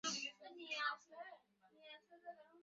তিনি মহাকাশ ভ্রমণ ও সমুদ্রের তলদেশে ভ্রমণের কল্পকাহিনী লিখেছিলেন।